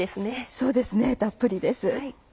そうですねたっぷりです。